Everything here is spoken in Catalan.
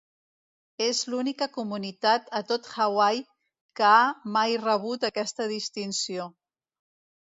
És l'única comunitat a tot Hawaii que ha mai rebut aquesta distinció.